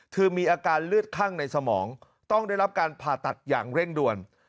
คือมีอาการเลือดคั่งในสมองต้องได้รับการผ่าตัดอย่างเร่งด่วน